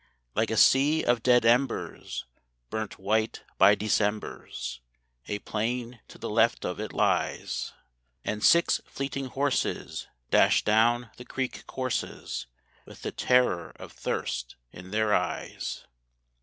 Like a sea of dead embers, burnt white by Decembers, A plain to the left of it lies; And six fleeting horses dash down the creek courses With the terror of thirst in their eyes.